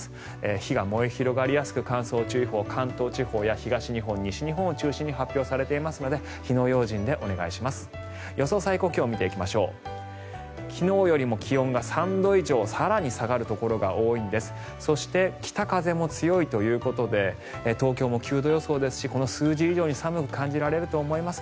火が燃え広がりやすく乾燥注意報、関東地方や西日本を中心に発表されていますので火の用心でお願いします。